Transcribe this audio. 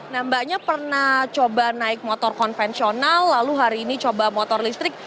nah mbaknya pernah coba naik motor konvensional lalu hari ini coba motor listrik